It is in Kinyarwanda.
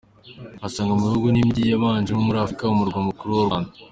asanga mu bihugu n’imijyi yabayemo muri Afurika umurwa mukuru w’u Rwanda